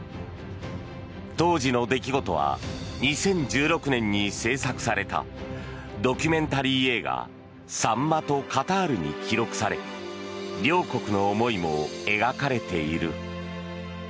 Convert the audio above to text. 当時の出来事は２０１６年に制作されたドキュメンタリー映画「サンマとカタール」に記録され両国の思いも描かれている。